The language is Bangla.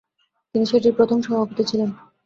তিনি সেটির প্রথম সভাপতি ছিলেন।